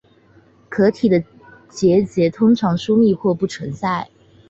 壳体的结节通常稀疏或不存在。